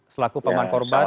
selaku peman korban